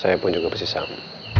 saya pun juga bersisam